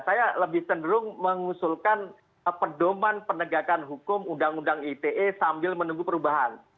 saya lebih cenderung mengusulkan pedoman penegakan hukum undang undang ite sambil menunggu perubahan